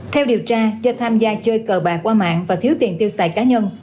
theo điều tra do tham gia chơi cờ bạc qua mạng và thiếu tiền tiêu xài cá nhân